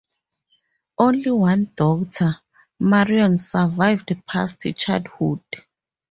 Only one daughter, Marion, survived past childhood.